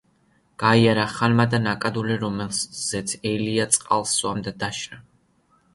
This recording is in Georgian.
გაიარა ხანმა და ნაკადული, რომელზეც ელია წყალს სვამდა, დაშრა.